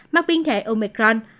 mắc biến thể omicron